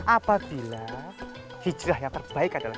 apabila hijrah yang terbaik adalah